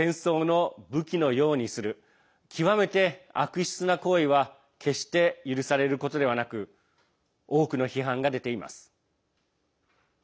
食料までも戦争の武器のようにする極めて悪質な行為は決して許されることではなく多くの批判が出ています。